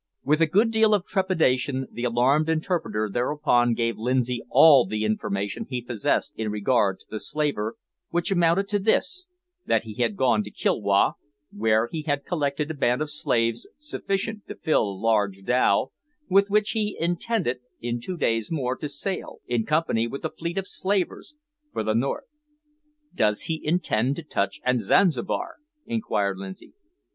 With a good deal of trepidation the alarmed interpreter thereupon gave Lindsay all the information he possessed in regard to the slaver, which amounted to this, that he had gone to Kilwa, where he had collected a band of slaves sufficient to fill a large dhow, with which he intended, in two days more, to sail, in company with a fleet of slavers, for the north. "Does he intend to touch at Zanzibar?" inquired Lindsay.